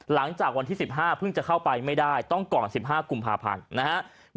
หลังจากวันที่๑๕เพิ่งจะเข้าไปไม่ได้ต้องก่อน๑๕กุมภาพันธ์นะครับ